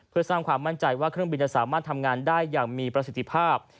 เพื่อสร้างความมั่นใจว่าเครื่องบินจะสามารถทำงานได้อย่างมีประสิทธิภาพ